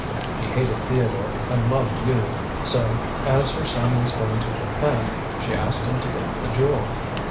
She hated Theodore, and loved you, so, as her son was going to Japan, she asked him to get the Jewel.